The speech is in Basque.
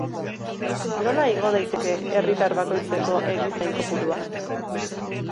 Nola igo daiteke herritar bakoitzeko erizain kopurua?